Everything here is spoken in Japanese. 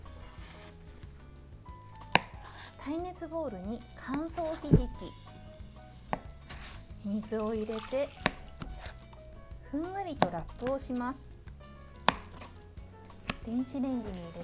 耐熱ボウルに乾燥ひじき、水を入れてふんわりとラップをします。